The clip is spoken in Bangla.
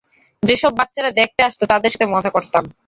যেসব বাচ্চারা দেখতে আসত তাদের সাথে মজা করতাম।